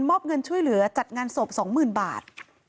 มอบเงินช่วยเหลือจัดงานศพสองหมื่นบาท